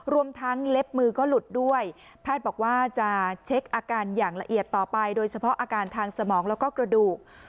รวมทั้งเล็บมือก็หลุดด้วยแพทย์บอกว่าจะเช็คอาการอย่างละเอียดต่อไปโดยเฉพาะอาการทางสมองแล้วก็กระดูก